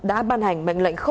đã ban hành mệnh lệnh một